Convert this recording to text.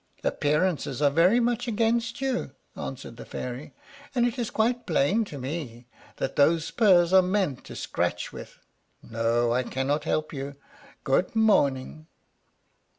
"Appearances are very much against you," answered the Fairy; "and it is quite plain to me that those spurs are meant to scratch with. No, I cannot help you. Good morning."